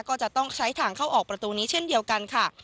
ก็จะต้องใช้ทางเข้าออกประตูนี้เช่นเดียวกันค่ะ